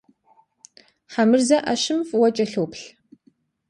Хьэмырзэ ӏэщым фӏыуэ кӏэлъоплъ.